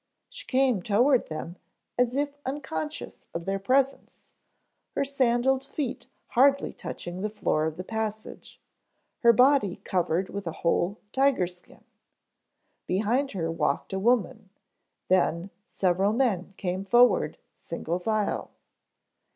She came toward them as if unconscious of their presence, her sandaled feet hardly touching the floor of the passage, her body covered with a whole tiger skin. Behind her walked a woman, then several men came forward single file.